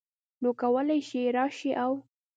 نو کولی شې راشې او